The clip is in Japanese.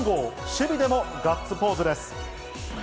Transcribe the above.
守備でもガッツポーズです。